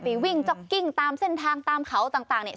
วิ่งจ๊อกกิ้งตามเส้นทางตามเขาต่างเนี่ย